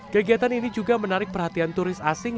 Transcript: kegiatan ini juga menarik perhatian turis asing